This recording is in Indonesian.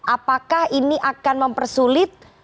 apakah ini akan mempersulit